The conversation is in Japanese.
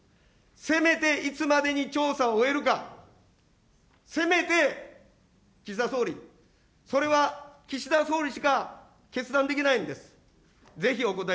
せめていつまでに調査を終えるか、せめて岸田総理、それは岸田総理しか決断できないんです。